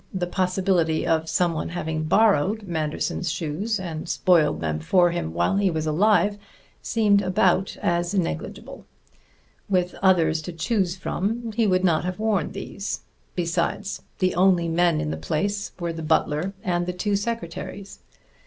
The possibility of someone having borrowed Manderson's shoes and spoiled them for him, while he was alive, seemed about as negligible. With others to choose from he would not have worn these. Besides, the only men in the place were the butler and the two secretaries.